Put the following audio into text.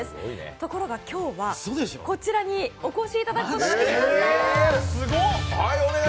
ところが今日はこちらにお越しいただくことができました。